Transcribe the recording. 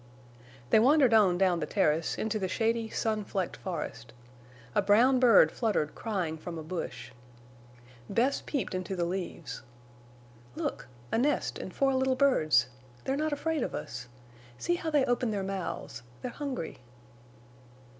They wandered on down the terrace, into the shady, sun flecked forest. A brown bird fluttered crying from a bush. Bess peeped into the leaves. "Look! A nest and four little birds. They're not afraid of us. See how they open their mouths. They're hungry."